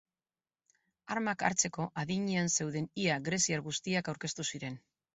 Armak hartzeko adinean zeuden ia greziar guztiak aurkeztu ziren.